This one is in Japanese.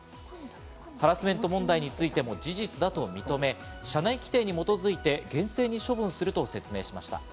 ハラスメント問題についても事実だと認め、社内規定に基づいて厳正に処分すると説明しました。